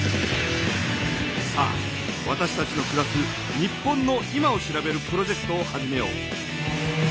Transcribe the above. さあわたしたちのくらす日本の今を調べるプロジェクトを始めよう。